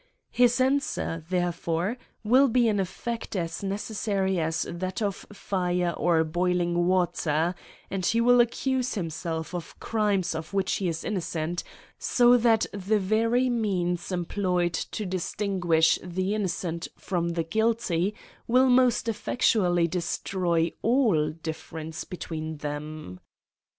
His answer, there fore^ will be an effect as necessary as that of fire or boiling water, and he will accuse himself of crimes of which he is innocent : so that the very means employed to distinguish the innocent from the guilty will most effectually destroy all differ ence between them.